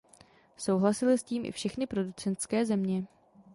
Souhlasily s tím i všechny producentské země.